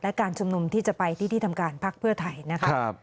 และการชุมนุมที่จะไปที่ที่ทำการพักเพื่อไทยนะครับ